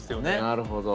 なるほど。